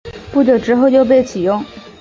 不久之后又被起用。